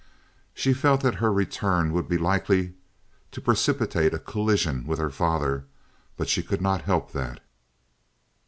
She felt that her return would be likely to precipitate a collision with her father, but she could not help that.